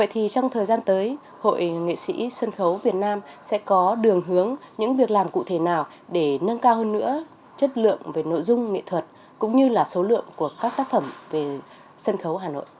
thì nghệ sĩ sân khấu việt nam sẽ có đường hướng những việc làm cụ thể nào để nâng cao hơn nữa chất lượng về nội dung nghệ thuật cũng như là số lượng của các tác phẩm về sân khấu hà nội